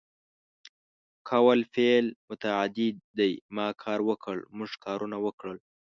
کول فعل متعدي دی ما کار وکړ ، موږ کارونه وکړ